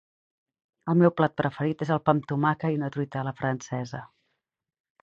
El meu plat preferit el pà amb tomàquet i una truita a la francesa.